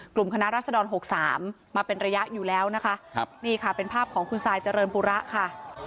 กลุ่มคณะรัศดร๖๓มาเป็นระยะอยู่แล้วนะคะครับนี่ค่ะเป็นภาพของคุณซายเจริญปุระค่ะ